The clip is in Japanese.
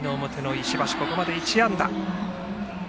石橋はここまで１安打。